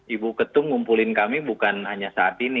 ibu ketum ngumpulin kami bukan hanya saat ini